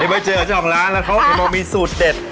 นี่ไปเจอ๒ร้านแล้วเขาเห็นว่ามีสูตรเด็ด